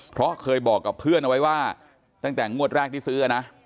เพราะเคยบอกกับเพื่อนเอาไว้ว่าตั้งแต่งวดแรกที่ซื้อนะ